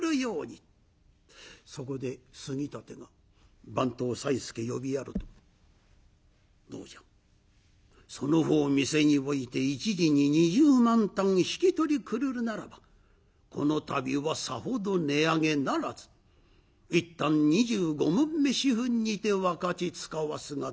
そこで杉立が番頭さいすけ呼びやると「どうじゃその方店に置いて一時に２０万反引き取りくるるならばこの度はさほど値上げならず１反２５匁４分にて分かちつかわすがどうじゃ？」。